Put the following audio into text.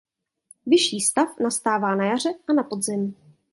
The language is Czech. Vyšší stav nastává na jaře a na podzim.